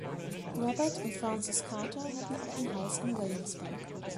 Robert und Frances Carter hatten auch ein Haus in Williamsburg.